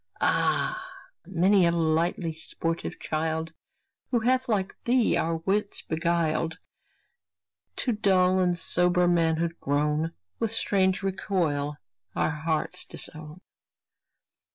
Ah! many a lightly sportive child, Who hath like thee our wits beguiled, To dull and sober manhood grown, With strange recoil our hearts disown.